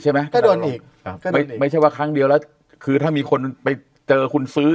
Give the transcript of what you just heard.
ใช่ไหมไม่ใช่ว่าครั้งเดียวแล้วคือถ้ามีคนไปเจอคุณซื้อ